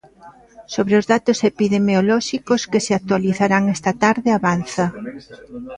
Sobre os datos epidemiolóxicos que se actualizarán esta tarde avanza.